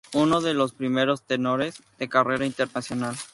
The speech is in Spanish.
Uno de los primeros tenores de carrera internacional.